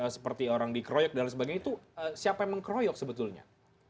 seperti orang dikeroyok dan sebagainya itu siapa yang mengkroyok sebetulnya